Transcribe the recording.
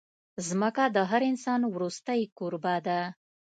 ځمکه د هر انسان وروستۍ کوربه ده.